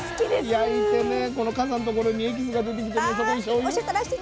焼いてねこの傘のところにエキスが出てきてそこにしょうゆ？